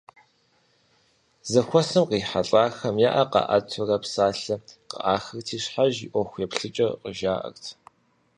Зэхуэсым кърихьэлӀахэм я Ӏэр къаӀэтурэ псалъэ къыӀахырти щхьэж и ӀуэхуеплъыкӀэр къыжаӀэрт.